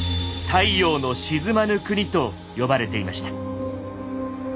「太陽の沈まぬ国」と呼ばれていました。